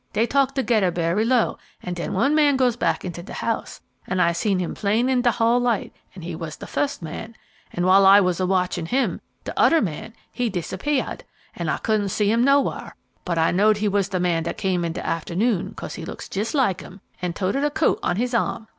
Dey talked togedder berry low, an' den one man goes back into de house, an' I seen 'im plain in de hall light, an' he was de fust man; an' while I was a watchin' 'im, de oder man he disappeahed an' I cudn' see 'im nowhar, but I know'd he was de man dat came in de aft'noon, 'case he look jes' like 'im, an' toted a coat on his arm.